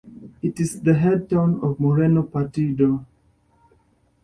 It is the head town of Moreno Partido.